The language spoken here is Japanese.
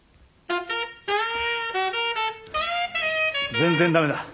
全然駄目だ。